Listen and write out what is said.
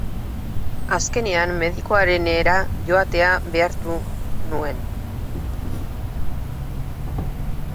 Azkenean, medikuarenera joatera behartu nuen.